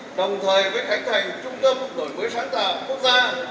đồng thời với khánh thành trung tâm đổi mới sáng tạo quốc gia